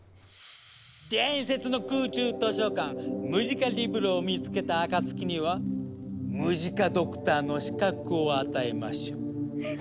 伝説の空中図書館ムジカリブロを見つけた暁にはムジカドクターの資格を与えましょう。